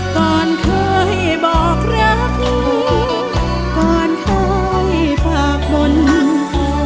ตอนเคยบอกรักตอนเคยฝากบน